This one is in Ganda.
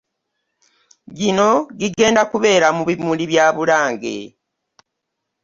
Gino gigenda kubeera mu bimuli bya Bulange